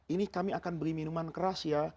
ini kami akan beli minuman keras ya